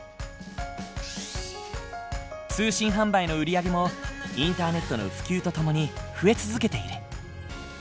通信販売の売り上げもインターネットの普及とともに増え続けている。